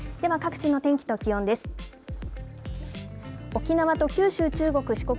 では、各地の天気と気温です。